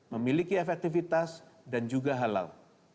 memiliki efektivitas dan juga halal